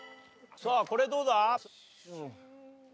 さあこれどうだ？